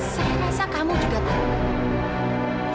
saya rasa kamu juga tahu